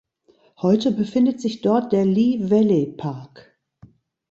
Heute befindet sich dort der "Lee Valley Park".